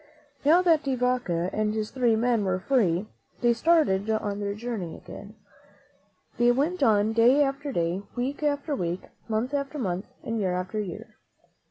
Now that De Vaca and his three men were free, they started on their journey again. They went on day after day, week after week, month after month, and year after year.